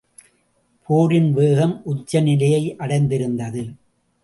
போரின் வேகம் உச்சநிலையை அடைந்திருந்தது.